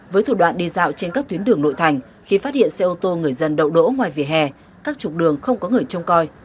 với thủ đoạn đi dạo trên các tuyến đường nội thành khi phát hiện xe ô tô người dân đậu đỗ ngoài vỉa hè các trục đường không có người trông coi